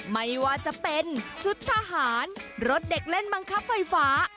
ไม่ว่าจะเป็นชุดทหารรถเด็กเล่นบังคับไฟฟ้า